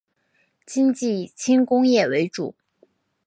经济以轻工业为主。